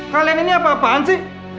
kalian ini apa apaan sih